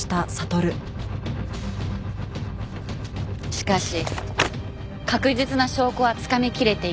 しかし確実な証拠はつかみ切れていない。